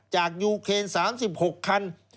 จากยูเครน๓๖คัน